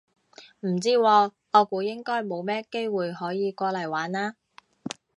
唔知喎，我估應該冇乜機會可以過嚟玩嘞